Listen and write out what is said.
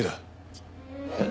えっ？